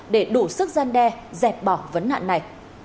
để đủ sức gian đe dẹp bỏ vấn nạn này